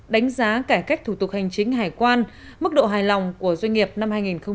đánh giá cải cách thủ tục hành chính hải quan mức độ hài lòng của doanh nghiệp năm hai nghìn một mươi chín